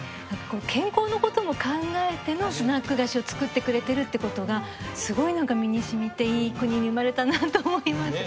健康の事も考えてのスナック菓子を作ってくれてるって事がすごいなんか身に染みていい国に生まれたなと思います。